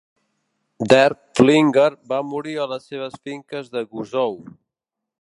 Derfflinger va morir a les seves finques de Gusow.